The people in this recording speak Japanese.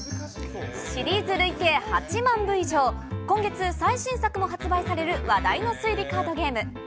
シリーズ累計８万部以上、今月、最新作も発売される話題の推理カードゲーム。